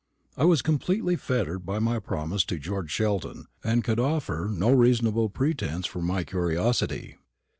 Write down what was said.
I was completely fettered by my promise to George Sheldon, and could offer no reasonable pretence for my curiosity.